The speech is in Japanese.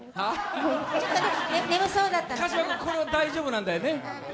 川島君、これは大丈夫なんだよね。